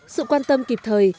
sự quan tâm kịp thời